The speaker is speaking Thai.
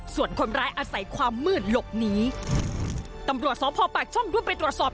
ส่วนคนร้ายอาศัยความมืดหลบหนีตำรวจสพปากช่องด้วยไปตรวจสอบ